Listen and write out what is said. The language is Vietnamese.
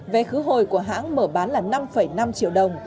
vé khứ hồi của hãng mở bán là năm năm triệu đồng